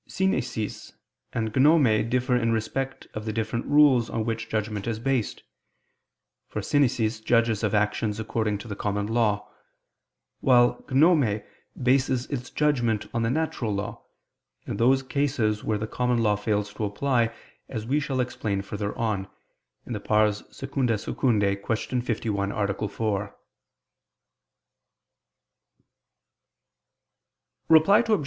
Synesis and gnome differ in respect of the different rules on which judgment is based: for synesis judges of actions according to the common law; while gnome bases its judgment on the natural law, in those cases where the common law fails to apply, as we shall explain further on (II II, Q. 51, A. 4). Reply Obj.